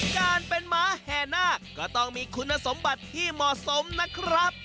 การเป็นหมาแห่นาคก็ต้องมีคุณสมบัติที่เหมาะสมนะครับ